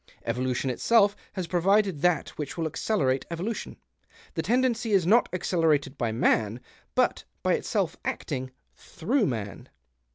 Evolution itself has provided that which will accelerate evolution. The tendency is not accelerated by man, but by itself acting through man."